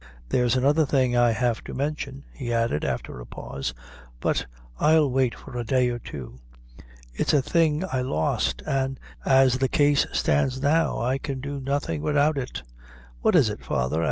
There's another thing I have to mention," he added, after a pause; "but I'll wait for a day or two; it's a thing I lost, an', as the case stands now, I can do nothing widout it." "What is it, father?"